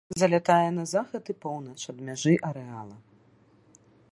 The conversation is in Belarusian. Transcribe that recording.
Залятае на захад і поўнач ад мяжы арэала.